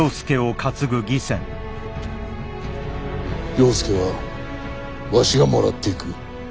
了助はわしがもらっていく。